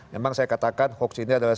memang saya katakan hoax ini adalah